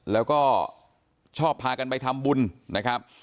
แล้วก็ชอบพากันไปทำบุญนะครับ